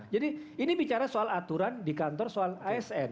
jadi ini bicara soal aturan di kantor soal asn